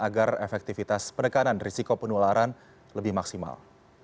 agar efektivitas penekanan risiko penularan lebih maksimal